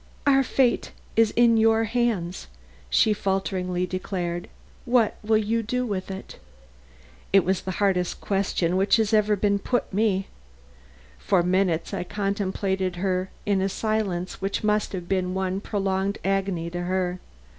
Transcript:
"Our fate is in your hands," she falteringly declared. "What will you do with it?" It was the hardest question which had ever been put me. For minutes I contemplated her in a silence which must have been one prolonged agony to her.